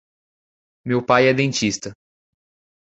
Meu pai é dentista.